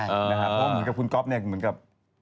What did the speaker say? เพราะว่าเหมือนกับคุณก๊อฟเนี่ยเหมือนกับ